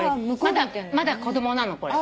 まだ子供なのこれ。